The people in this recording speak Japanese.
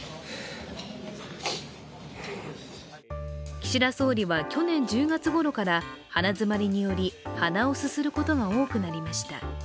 岸田総理は、去年１０月ごろから鼻づまりにより鼻をすすることが多くなりました。